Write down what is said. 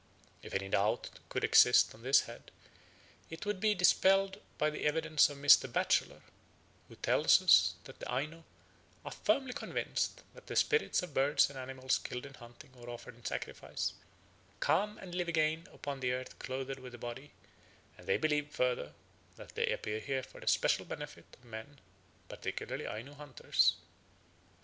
If any doubt could exist on this head, it would be dispelled by the evidence of Mr. Batchelor, who tells us that the Aino "are firmly convinced that the spirits of birds and animals killed in hunting or offered in sacrifice come and live again upon the earth clothed with a body; and they believe, further, that they appear here for the special benefit of men, particularly Ainu hunters."